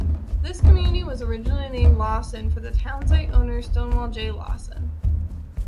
This community was originally named Lawson, for the townsite owner, Stonewall J. Lawson.